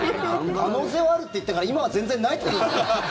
可能性はあるって言ったから今は全然ないってこと。